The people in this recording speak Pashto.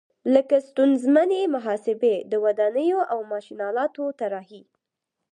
لکه ستونزمنې محاسبې، د ودانیو او ماشین آلاتو طراحي.